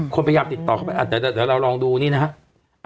พยายามติดต่อเข้าไปแต่เดี๋ยวเราลองดูนี่นะครับ